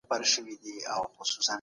يو سړی په کمپيوټر کي انټرنېټ کاروي.